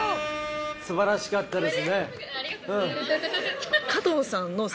素晴らしかったですね。